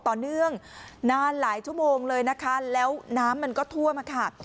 ต่อเนื่องนานหลายชั่วโมงเลยนะคะแล้วน้ำมันก็ท่วมค่ะ